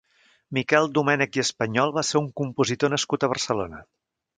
Miquel Domènech i Español va ser un compositor nascut a Barcelona.